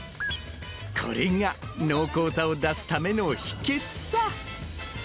これが濃厚さを出すための秘けつさ。